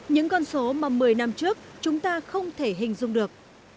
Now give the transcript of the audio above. những con số mà một mươi năm trước chúng ta không thể hình dung được